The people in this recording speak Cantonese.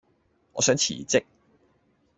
我想辭職